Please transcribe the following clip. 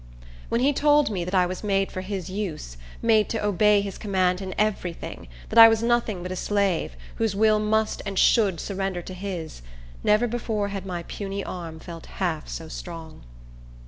When he told me that I was made for his use, made to obey his command in every thing; that I was nothing but a slave, whose will must and should surrender to his, never before had my puny arm felt half so strong.